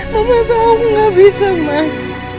mama tahu aku gak bisa mak